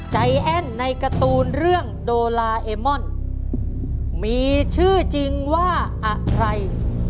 ใจแอ้นในการ์ตูนเรื่องโดลาเอมอนมีชื่อจริงว่าอะไร